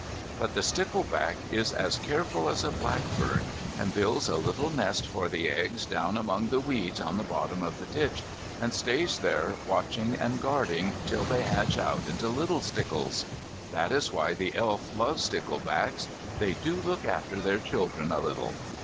But the stickleback is as careful as a blackbird, and builds a little nest for the eggs down among the weeds on the bottom of the ditch, and stays there watching and guarding till they hatch out into little stickles. That is why the Elf loves sticklebacks. They do look after their children a little.